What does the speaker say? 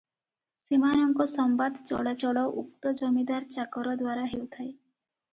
ସେମାନଙ୍କ ସମ୍ବାଦ ଚଳାଚଳ ଉକ୍ତ ଜମିଦାର ଚାକର ଦ୍ୱାରା ହେଉଥାଏ ।